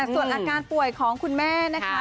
ส่วนอาการป่วยของคุณแม่นะคะ